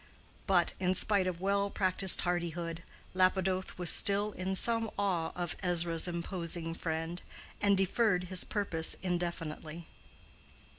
But, in spite of well practiced hardihood, Lapidoth was still in some awe of Ezra's imposing friend, and deferred his purpose indefinitely.